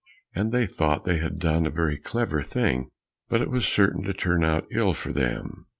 And they thought they had done a very clever thing, but it was certain to turn out ill for them.